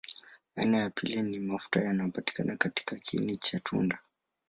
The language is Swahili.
Aina ya pili ni mafuta yanapatikana katika kiini cha tunda.